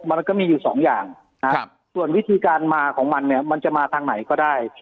มันก็มีอยู่สองอย่างนะครับส่วนวิธีการมาของมันเนี่ยมันจะมาทางไหนก็ได้